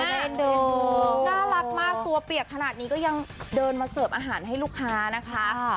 น่ารักมากตัวเปียกขนาดนี้ก็ยังเดินมาเสิร์ฟอาหารให้ลูกค้านะคะ